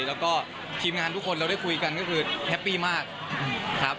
แล้วก็ทีมงานทุกคนเราได้คุยกันก็คือแฮปปี้มากครับ